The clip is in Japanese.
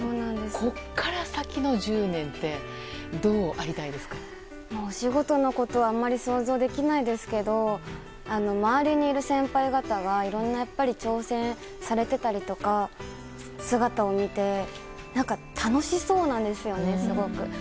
ここから先の１０年ってお仕事のことはあまり想像できないですけど周りにいる先輩方がいろんな挑戦をされてたりとか姿を見て、楽しそうなんですよねすごく。